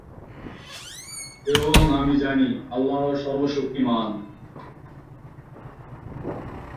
তাঁর কোন পুত্রসন্তান ছিল না।